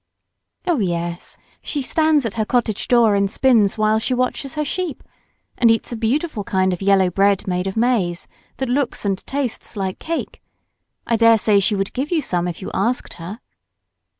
"Oh, yes; she stands at her cottage door and spins while she watches her sheep, and eats a beautiful kind of yellow bread made of maize, that looks and tastes like cake. I daresay she would give you some if you asked her."